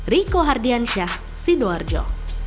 riko hardiansyah sidoarjo